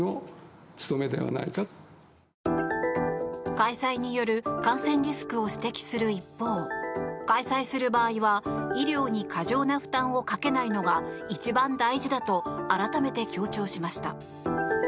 開催による感染リスクを指摘する一方開催する場合は医療に過剰な負担をかけないのが一番大事だと改めて強調しました。